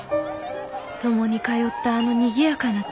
共に通ったあのにぎやかな通りを」。